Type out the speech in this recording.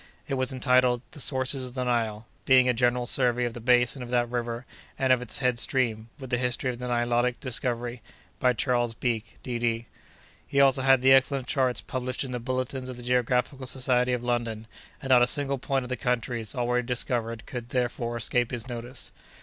It was entitled "The Sources of the Nile; being a General Survey of the Basin of that River and of its Head Stream, with the History of the Nilotic Discovery, by Charles Beke, D.D." He also had the excellent charts published in the "Bulletins of the Geographical Society of London;" and not a single point of the countries already discovered could, therefore, escape his notice.